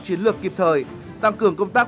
chiến lược kịp thời tăng cường công tác